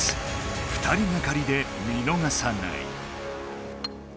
２人がかりで見のがさない。